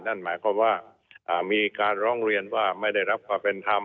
นั่นหมายความว่ามีการร้องเรียนว่าไม่ได้รับความเป็นธรรม